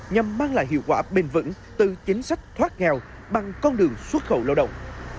nhằm mang lại hiệu quả bền vững từ chính sách thoát nghèo bằng con đường xuất khẩu lao động